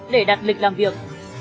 để đặt lịch làm việc